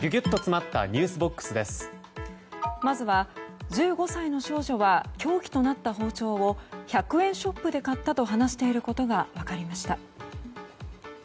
まずは、１５歳の少女は凶器となった包丁を１００円ショップで買ったと話していることが分かりました。